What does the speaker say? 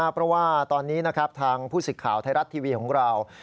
เพราะว่าตอนนี้นะครับทางผู้สิทธิ์ข่าวไทยรัฐทีวีของเรา